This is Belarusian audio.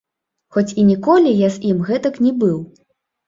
Хоць і ніколі я з ім гэтак не быў.